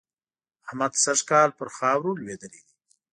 احمد سږ کال پر خاورو لوېدلی دی.